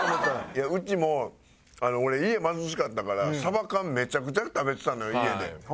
いやうちも俺家貧しかったからサバ缶めちゃくちゃ食べてたのよ家で。